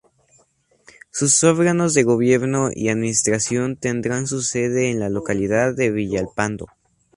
Sus órganos de gobierno y administración tendrán su sede en la localidad de Villalpando.